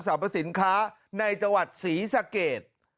พสินค้าในจังหวัดศรีสะเกด